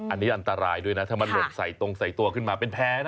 อันนี้อันตรายด้วยนะถ้ามันหล่นใส่ตรงใส่ตัวขึ้นมาเป็นแพ้นะ